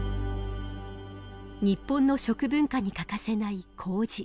日本の食文化に欠かせない麹。